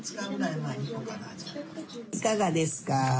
いかがですか？